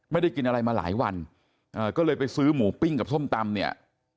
ไม่ได้กินอะไรมาหลายวันก็เลยไปซื้อหมูปิ้งกับส้มตำเนี่ย